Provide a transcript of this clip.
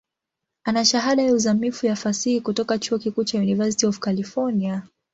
Ana Shahada ya uzamivu ya Fasihi kutoka chuo kikuu cha University of California.